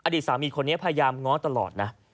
ดีสามีคนนี้พยายามง้อตลอดนะ